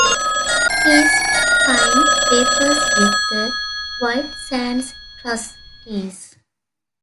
He’s signed papers with the White Sands trustees.